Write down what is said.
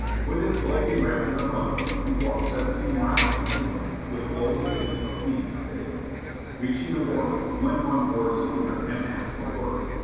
With his clothing wrapped in a bundle, he walked seventeen miles to Cleveland, with glowing visions of being a sailor. Reaching the wharf, he went on board a schooner, and asked for work.